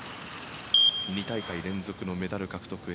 ２大会連続のメダル獲得へ。